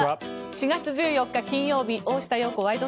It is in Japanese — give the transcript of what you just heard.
４月１４日、金曜日「大下容子ワイド！